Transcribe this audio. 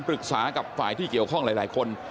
ปรึกษากับฝ่ายที่เกี่ยวข้องหลายคน